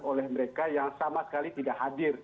oleh mereka yang sama sekali tidak hadir